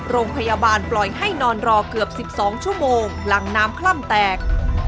โรงพยาบาลปล่อยให้นอนรอเกือบ๑๒ชั่วโมงหลังน้ำคล่ำแตก